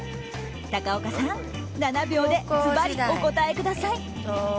高岡さん、７秒でズバリお答えください。